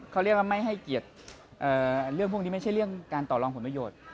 เขาเรียกว่าไม่ให้เกียรติเรื่องพวกนี้ไม่ใช่เรื่องการต่อรองผลประโยชน์